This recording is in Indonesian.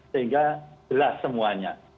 sehingga jelas semuanya